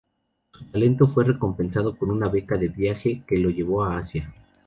Su talento fue recompensado con una beca de viaje que lo llevó a Asia.